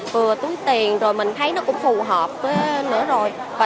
vừa túi tiền rồi mình thấy nó cũng phù hợp